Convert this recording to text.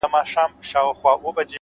علم د انسان فکر اصلاح کوي.!